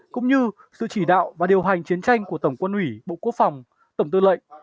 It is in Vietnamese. cũng như sự chỉ đạo và điều hành chiến tranh của tổng quân ủy bộ quốc phòng tổng tư lệnh